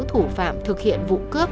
thủ phạm thực hiện vụ cướp